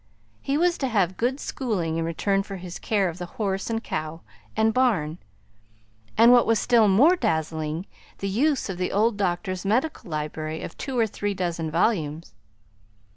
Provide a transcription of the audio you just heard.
He was to have good schooling in return for his care of the horse and cow and barn, and what was still more dazzling, the use of the old doctor's medical library of two or three dozen volumes.